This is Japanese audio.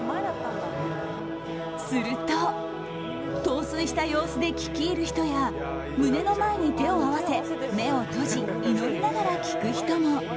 すると、陶酔した様子で聴き入る人や胸の前に手を合わせ目を閉じ、祈りながら聴く人も。